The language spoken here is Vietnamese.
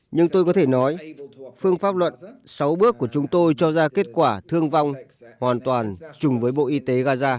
nhưng tôi có thể nói phương pháp luận sáu bước của chúng tôi cho ra kết quả thương vong hoàn toàn chùng với bộ y tế gaza